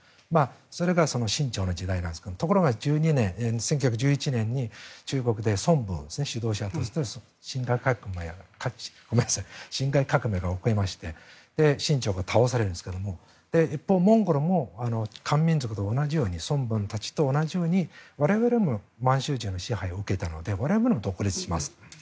それが清朝の時代なんですがところが１９１１年に中国で孫文が辛亥革命が起こりまして起こりまして、清朝が倒されるんですが一方、モンゴルも漢民族と同じように孫文たちと同じように我々も満州人の支配を受けたので我々も独立しますと。